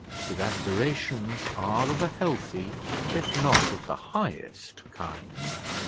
His aspirations are of a healthy, if not of the highest, kind.